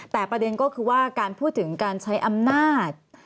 แต่ประเด็นก็คือว่าการพูดถึงการใช้อำนาจ